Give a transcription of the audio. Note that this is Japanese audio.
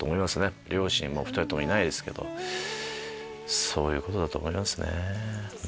両親２人ともいないですけどそういうことだと思いますね。